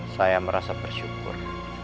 saya merasa bersyukur